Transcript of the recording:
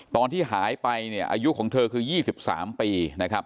ตอนที่หายไปเนี่ยอายุของเธอคือ๒๓ปีนะครับ